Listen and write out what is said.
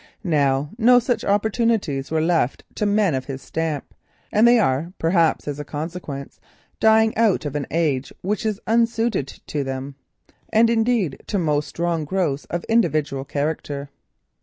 Now few such opportunities are left to men of his stamp, and they are, perhaps as a consequence, dying out of an age which is unsuited to them, and indeed to most strong growths of individual character.